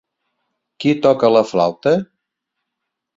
Qui toca la flauta?